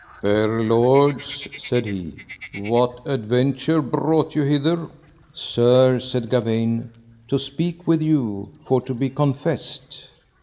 Fair lords, said he, what adventure brought you hither? Sir, said Gawaine, to speak with you for to be confessed.